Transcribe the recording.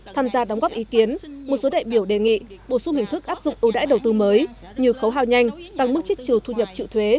tham gia đóng góp ý kiến một số đại biểu đề nghị bổ sung hình thức áp dụng ưu đãi đầu tư mới như khấu hào nhanh tăng mức chích trừ thu nhập trựu thuế